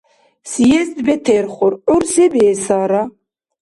Съезд бетерхур, гӀур се биэсара?